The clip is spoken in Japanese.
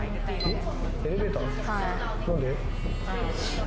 えっ！？